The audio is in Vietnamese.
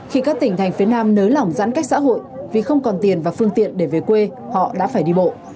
khi các tỉnh thành phía nam nới lỏng giãn cách xã hội vì không còn tiền và phương tiện để về quê họ đã phải đi bộ